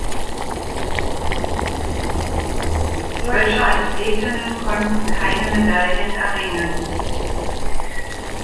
Deutsche Athletinnen konnten keine Medaillen erringen.